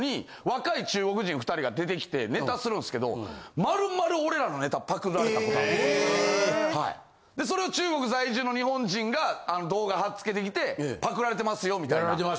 若い中国人２人が出てきてネタするんっすけど俺らの。ええ！でそれを中国在住の日本人が動画貼っ付けてきてパクられてますよみたいな。